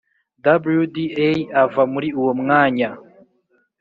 Wda ava muri uwo mwanya